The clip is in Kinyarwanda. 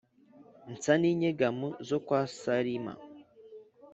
nsa n’inyegamo zo kwa Salima.